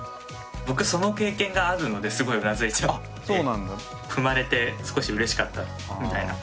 僕その経験があるのですごいうなずいちゃって。踏まれて少しうれしかったみたいな。